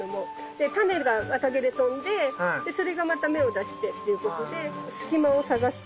で種が綿毛で飛んでそれがまた芽を出してっていうことで隙間を探して。